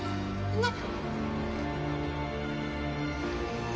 ねっ！